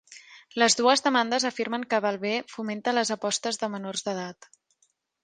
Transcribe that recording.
Les dues demandes afirmen que Valve fomenta les apostes de menors d'edat.